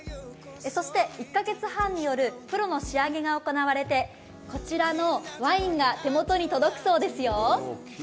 そして１カ月半によるプロの仕上げが行われてこちらのワインが手元に届くそうですよ。